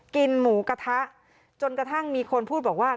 กินหมูกระทะจนกระทั่งมีคนพูดบอกว่า